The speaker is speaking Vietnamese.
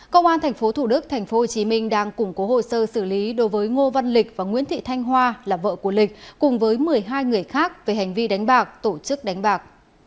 công an tp thủ đức tp hcm đang củng cố hồ sơ xử lý đối với ngô văn lịch và nguyễn thị thanh hoa là vợ của lịch cùng với một mươi hai người khác về hành vi đánh bạc tổ chức đánh bạc